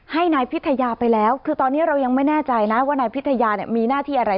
ให้นายพิทยาไปแล้วคือตอนนี้เรายังไม่แน่ใจนะว่านายพิทยาเนี่ยมีหน้าที่อะไร